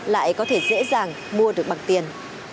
lại có thể dễ dàng mua được bằng tiền